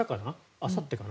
あさってかな？